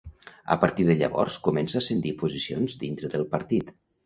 A partir de llavors comença a ascendir posicions dintre del Partit.